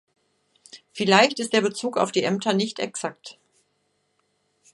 Vielleicht ist der Bezug auf die Ämter nicht exakt.